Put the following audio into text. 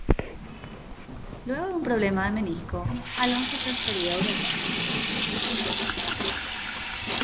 Luego de un problema de menisco, Alonso es transferido a Europa.